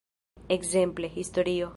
Ekzemple, historio.